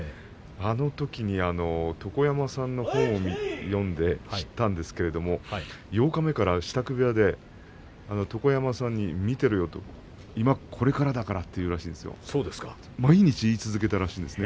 あのときに、床山さんの本を読んで知ったんですが八日目から支度部屋で床山さんに、見ていろよ、これからだと話を毎日言い続けたらしいです。